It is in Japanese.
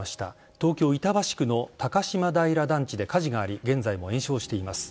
東京・板橋区の高島平団地で火事があり現在も延焼しています。